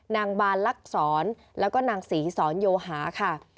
นางบานลักษรและนางศรีศรอยวหาค่ะ